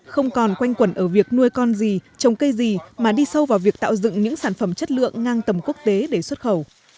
không còn quanh quẩn ở việc nuôi con gì trồng cây gì mà đi sâu vào việc tạo dựng những sản phẩm chất lượng ngang tầm quốc tế để xuất khẩu